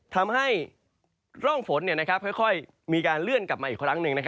ทำให้ร่องฝนค่อยมีการเลื่อนกลับมาอีกครั้งหนึ่ง